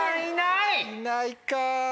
いないか。